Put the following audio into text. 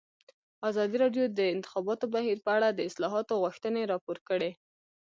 ازادي راډیو د د انتخاباتو بهیر په اړه د اصلاحاتو غوښتنې راپور کړې.